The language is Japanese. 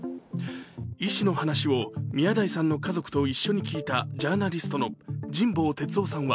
医師の話を宮台さんの家族と一緒に聞いたジャーナリストの神保哲生さんは